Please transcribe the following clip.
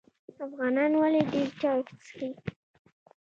افغانان ولې ډیر چای څښي؟